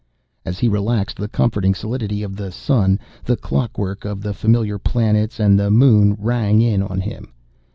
As he relaxed, the comforting solidity of the Sun, the clock work of the familiar planets and the Moon rang in on him.